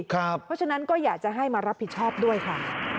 เพราะฉะนั้นก็อยากจะให้มารับผิดชอบด้วยค่ะ